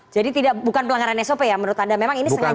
jadi bukan pelanggaran sop ya menurut anda memang ini sengaja